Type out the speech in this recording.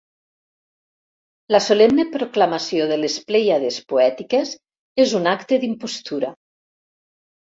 La solemne proclamació de les plèiades poètiques és un acte d'impostura.